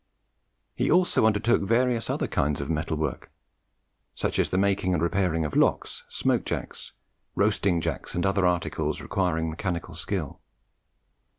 He also undertook various other kinds of metal work, such as the making and repairing of locks, smoke jacks, roasting jacks, and other articles requiring mechanical skill.